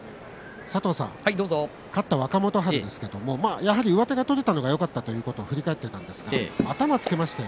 勝った若元春ですけれどもやはり上手を取れたのがよかったと振り返っていたんですが頭をつけました。